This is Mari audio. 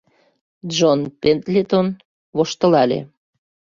Джон Пендлетон воштылале.